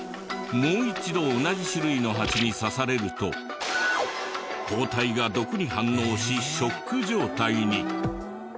もう一度同じ種類のハチに刺されると抗体が毒に反応しショック状態に。